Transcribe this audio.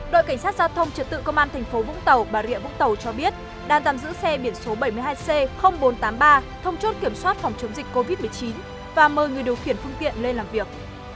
đội cảnh sát giao thông trật tự công an thành phố vũng tàu bà rịa vũng tàu cho biết đang tạm giữ xe biển số bảy mươi hai c bốn trăm tám mươi ba thông chốt kiểm soát phòng chống dịch covid một mươi chín và mời người điều khiển phương tiện lên làm việc